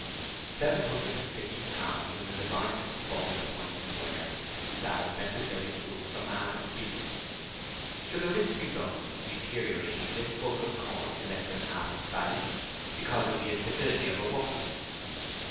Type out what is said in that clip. Seven hundred and fifty pounds in the divinest form that money can wear—that of necessary food for man and beast: should the risk be run of deteriorating this bulk of corn to less than half its value, because of the instability of a woman?